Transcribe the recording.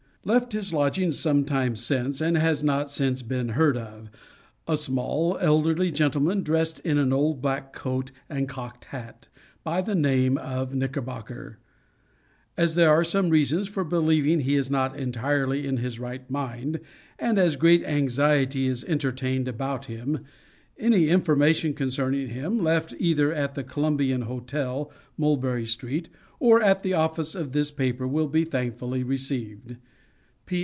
Left his lodgings some time since, and has not since been heard of, a small elderly gentleman, dressed in an old black coat and cocked hat, by the name of Knickerbocker. As there are some reasons for believing he is not entirely in his right mind, and as great anxiety is entertained about him, any information concerning him, left either at the Columbian Hotel, Mulberry Street, or at the office of this paper, will be thankfully received.